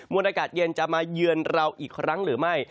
วนอากาศเย็นจะมาเยือนเราอีกครั้งหรือไม่